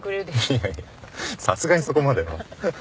いやいやさすがにそこまでは。